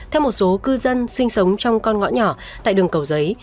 theo một số cư dân sinh sống trong con ngõ nhỏ tại đường cầu giấy